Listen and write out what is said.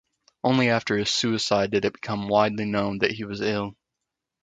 Only after his suicide did it become widely known that he was ill.